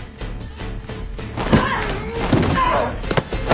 あっ。